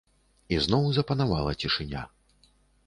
І зноў запанавала цішыня.